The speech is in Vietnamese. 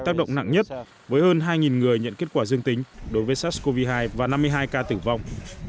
tác động nặng nhất với hơn hai người nhận kết quả dương tính đối với sars cov hai và năm mươi hai ca tử vong